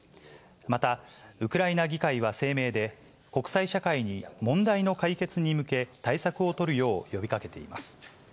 またウクライナ議会は声明で、国際社会に問題の解決に向け対策を取るよう呼びかけています。